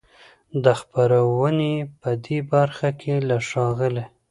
د خپرونې په دې برخه کې له ښاغلي